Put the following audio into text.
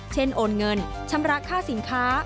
โอนเงินชำระค่าสินค้า